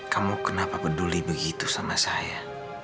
kamu kenapa peduli begitu sama saya